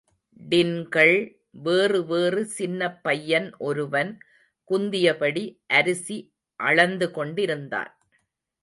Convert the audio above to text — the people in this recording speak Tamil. டின்கள் வேறு வேறு சின்னப்பையன் ஒருவன் குந்தியபடி அரிசி அளந்து கொண்டிருந்தான்.